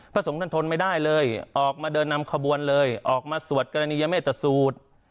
พระสงฆ์ท่านทนไม่ได้เลยออกมาเดินนำขบวนเลยออกมาสวดกรณียเมตตสูตร